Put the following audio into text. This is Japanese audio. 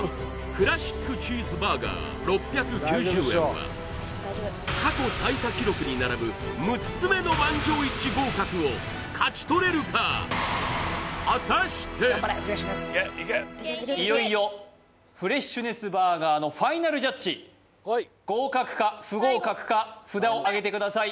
クラシックチーズバーガー６９０円は過去最多記録に並ぶ６つ目の満場一致合格を勝ち取れるかいよいよフレッシュネスバーガーのファイナルジャッジ合格か不合格か札をあげてください